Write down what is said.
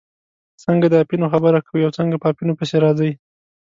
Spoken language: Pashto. څنګه د اپینو خبره کوئ او څنګه په اپینو پسې راځئ.